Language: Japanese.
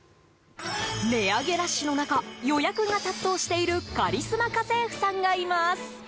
値上げラッシュの中予約が殺到しているカリスマ家政婦さんがいます。